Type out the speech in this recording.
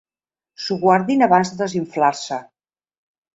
S'ho guardin abans de desinflar-se.